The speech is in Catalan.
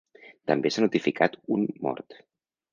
També s’ha notificat un mort.